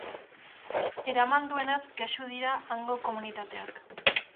Eraman duenaz kexu dira hango komunitateak.